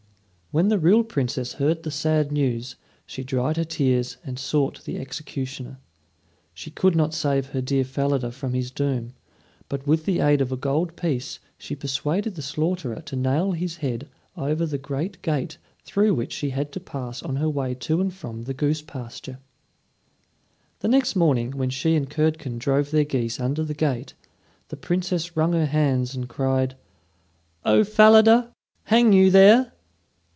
When the real Princess heard the sad news, she dried her tears and sought the executioner. She could not save her dear Falada from his doom, but with the aid of a gold piece she persuaded the slaughterer to nail his head over the great gate through which she had to pass on her way to and from the goose pasture. The next morning, when she and Curdken drove their geese under the gate, the Princess wrung her hands and cried: "O Falada, hang you there?"